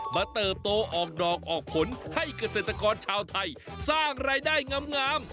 เติบโตออกดอกออกผลให้เกษตรกรชาวไทยสร้างรายได้งาม